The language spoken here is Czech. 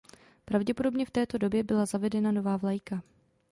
Pravděpodobně v této době byla zavedena nová vlajka.